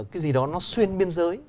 cái gì đó nó xuyên biên giới